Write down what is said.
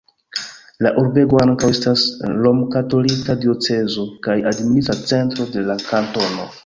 La urbego ankaŭ estas romkatolika diocezo kaj administra centro de la kantono.